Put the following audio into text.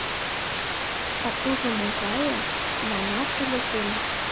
«Сатужо могае?» манат ыле гын